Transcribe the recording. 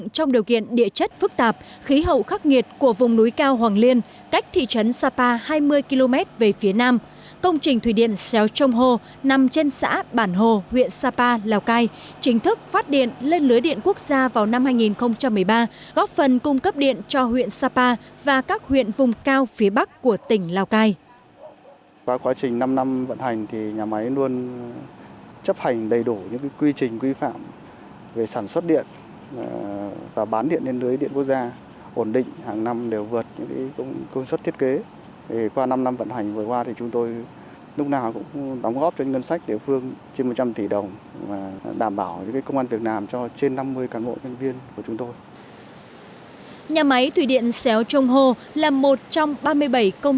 trong điều kiện địa chất phức tạp khí hậu khắc nghiệt của vùng núi cao hoàng liên cách thị trấn sapa hai mươi km về phía nam công trình thủy điện xéo trông hồ nằm trên xã bản hồ huyện sapa lào cai chính thức phát điện cho huyện sapa và các huyện vùng cao hoàng liên góp phần cung cấp điện cho huyện sapa và các huyện vùng cao hoàng liên góp phần cung cấp điện cho huyện sapa và các huyện vùng cao hoàng liên góp phần cung cấp điện cho huyện sapa và các huyện vùng cao hoàng liên